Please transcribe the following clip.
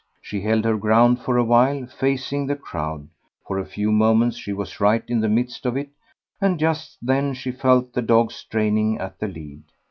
She held her ground for awhile, facing the crowd: for a few moments she was right in the midst of it, and just then she felt the dog straining at the lead.